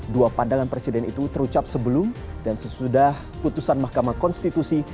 dua pandangan presiden itu terucap sebelum dan sesudah putusan mahkamah konstitusi